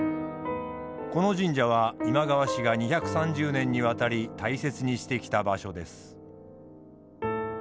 この神社は今川氏が２３０年にわたり大切にしてきた場所です。